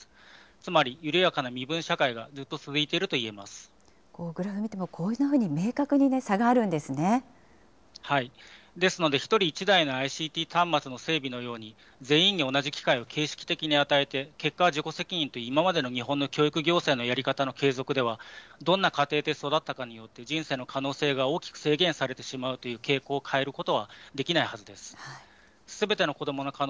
つまり、緩やかな身分社会がずっグラフを見ても、このようにですので、１人１台のＩＣＴ端末の整備のように、全員に同じ機会を形式的に与えて、結果は自己責任という今までの日本の教育行政のやり方の継続ではどんな家庭で育ったかによって人生の可能性が大きく制限されてしまうという傾向を変えることはできないはずです。